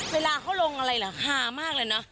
เวลาเขาลงอะไรหรือห่ามากเลยนะ